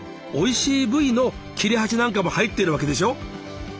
おいしい部位の切れ端なんかも入ってるわけでしょ。